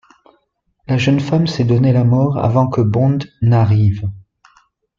La jeune femme s'est donné la mort avant que Bond n’arrive.